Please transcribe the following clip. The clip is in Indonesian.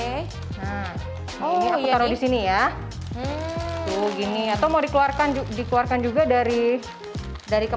itu kalau jika terbuka punya bumbunya tuh jadi sekarang kathleen